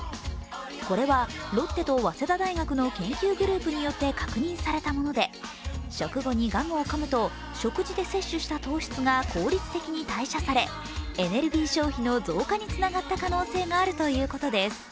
これはロッテと早稲田大学の研究グループによって確認されたもので食後にガムをかむと食事で摂取した糖質が効率的に代謝され、エネルギー消費の増加につながった可能性があるということです。